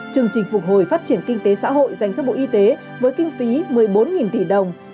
chương trình phục hồi phát triển kinh tế xã hội dành cho bộ y tế với kinh phí một mươi bốn tỷ đồng